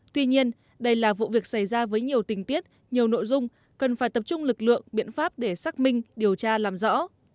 tuy nhiên đây là vụ việc xảy ra với nhiều tình tiết nhiều nội dung cần phải tập trung lực lượng biện pháp để xác minh điều tra làm rõ